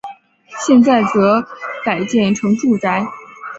现在则改建成住宅。